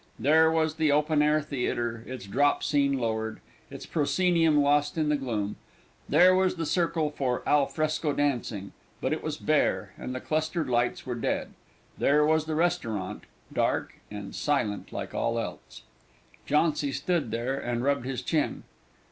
There was the open air theatre, its drop scene lowered, its proscenium lost in the gloom; there was the circle for al fresco dancing, but it was bare, and the clustered lights were dead; there was the restaurant, dark and silent like all else. Jauncy stood there and rubbed his chin.